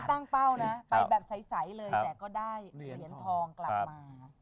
มีตั้งเป้านะใสเลยแต่ก็ได้เหรียญทองกลับมา